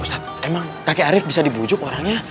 ustadz emang kakek arief bisa dibujuk orangnya